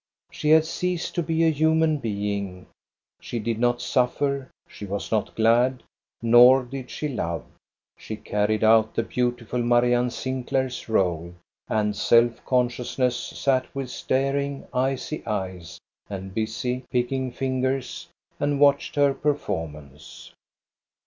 She had ceased to be a human being, she did not suffer, she was not glad, nor did she love ; she carried out the beautiful Marianne Sinclair's r61e, and self conscious ness sat with staring, icy eyes and busy, picking fingers, and watched her performance.